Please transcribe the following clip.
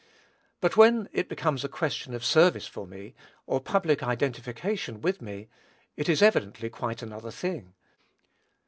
But when it becomes a question of service for me, or public identification with me, it is evidently quite another thing.